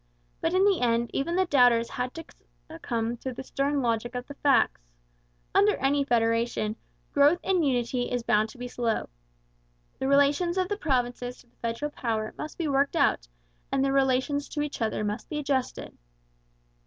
But in the end even the doubters had to succumb to the stern logic of the facts. Under any federation, growth in unity is bound to be slow. The relations of the provinces to the federal power must be worked out and their relations to each other must be adjusted.